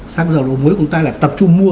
xăng dầu đồ mối của chúng ta là tập trung mua